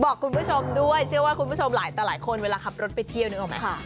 บอกคุณผู้ชมด้วยเชื่อว่าคุณผู้ชมหลายต่อหลายคนเวลาขับรถไปเที่ยวนึกออกไหม